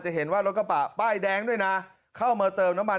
เห็นว่ารถกระบะป้ายแดงด้วยนะเข้ามาเติมน้ำมัน